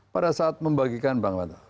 pada saat membagikan bang mada